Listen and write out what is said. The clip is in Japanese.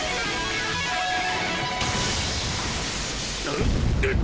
あっ？